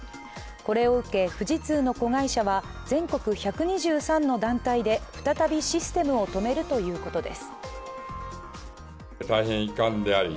これを受け、富士通の子会社は全国１２３の団体で再びシステムを止めるということです。